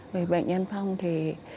vì bệnh nhân phong thì